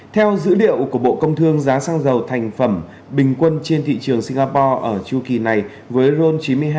theo dữ liệu của bộ công thương giá xăng dầu thành phẩm bình quân trên thị trường singapore ở chu kỳ này với ron chín mươi hai